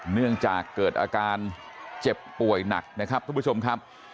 เนื่องจากเกิดอาการเจ็บป่วยหนักนะครับทุกผู้ชมครับ